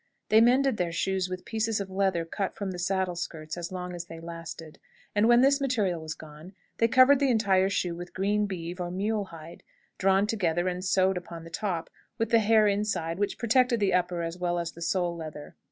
They mended their shoes with pieces of leather cut from the saddle skirts as long as they lasted, and, when this material was gone, they covered the entire shoe with green beeve or mule hide, drawn together and sewed upon the top, with the hair inside, which protected the upper as well as the sole leather.